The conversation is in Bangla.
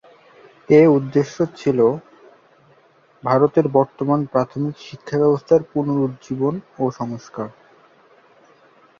এর উদ্দেশ্য ছিল ভারতে বর্তমান প্রাথমিক শিক্ষাব্যবস্থার পুনরুজ্জীবন ও সংস্কার।